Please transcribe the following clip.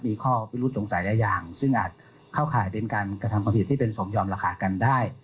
มีข้อพิรุธสงสัยหลายอย่างซึ่งอาจเข้าข่ายเป็นการกระทำความผิดที่เป็นสมยอมราคากันได้